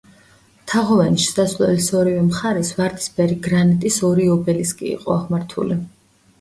თაღოვანი შესასვლელის ორივე მხარეს ვარდისფერი გრანიტის ორი ობელისკი იყო აღმართული.